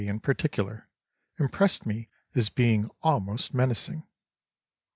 in particular, impressed me as being almost menacing.